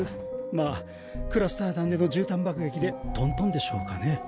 まあクラスター弾での絨毯爆撃でトントンでしょうかね。